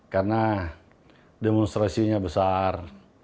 karena demonstrasinya besar